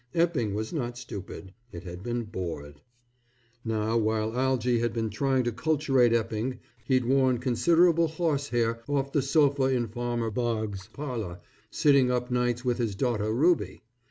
Epping was not stupid, it had been bored. Now while Algy had been trying to culturate Epping, he'd worn considerable horsehair off the sofa in Farmer Boggs' parlor, sitting up nights with his daughter Ruby.